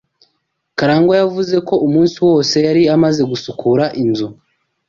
Karangwa yavuze ko umunsi wose yari amaze gusukura inzu.